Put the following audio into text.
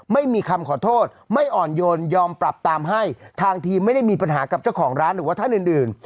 ไม่มีคำขอโทษไม่อ่อนโยนยอมปรับตามให้ทางทีมไม่ได้มีปัญหากับเจ้าของร้านหรือว่าท่านอื่นอื่น